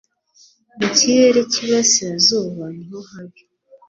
Mu kirere cy'iburasirazuba niho habi